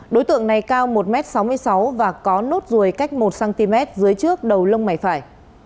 đối tượng này cao một m sáu mươi sáu và có nốt ruồi cách một cm dưới trước đầu lông mày phải